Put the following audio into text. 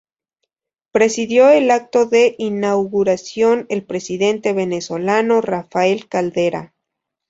Presidió el acto de inauguración el Presidente Venezolano Rafael Caldera.